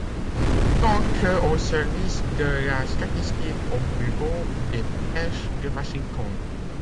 Il entre au service de la statistique au bureau des pêches de Washington.